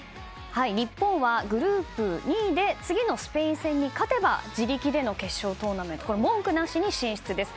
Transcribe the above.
日本はグループ２位で次のスペイン戦に勝てば自力での決勝トーナメントに文句なしに進出です。